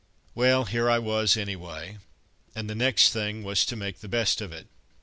Well, here I was, anyway, and the next thing was to make the best of it.